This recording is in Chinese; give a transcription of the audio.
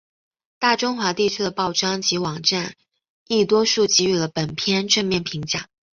大中华地区的报章及网站亦多数给予了本片正面评价。